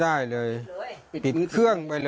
แล้วแต่เขาไม่รับเลือกเปลี่ยนเบอร์หรือเปลว